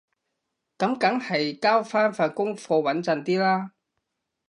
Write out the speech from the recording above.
噉梗係交返份功課穩陣啲啦